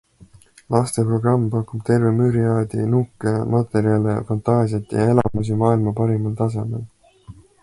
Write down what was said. Lasteprogramm pakub terve müriaadi nukke, materjale, fantaasiat ja elamusi maailma parimal tasemel.